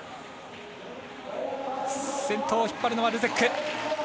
先頭を引っ張るのはルゼック。